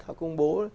họ công bố